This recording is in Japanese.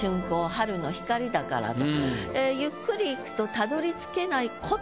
春の光だからと。